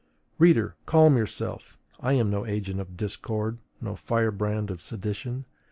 Reader, calm yourself: I am no agent of discord, no firebrand of sedition.